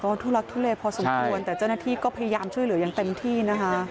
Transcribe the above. ทุลักทุเลพอสมควรแต่เจ้าหน้าที่ก็พยายามช่วยเหลืออย่างเต็มที่นะคะ